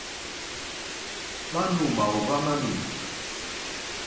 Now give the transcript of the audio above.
Manù màòhva mamì.